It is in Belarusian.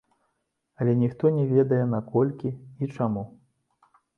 Але ніхто не ведае на колькі і чаму.